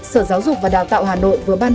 sở giáo dục và đào tạo hà nội vừa ban